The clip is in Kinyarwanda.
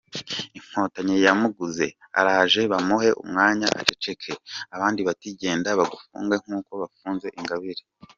Inkotanyi yamuguze, araje bamuhe umwanya aceceke’, abandi bati ‘genda bagufunge nk’uko bafunze Ingabire.